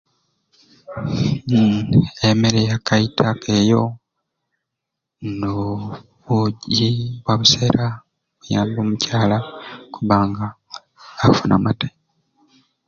Hmmmm emeere ya kaita keeyo no oooh obuuji bwa busera buyambire omukyala okubanga akufuuna amatai.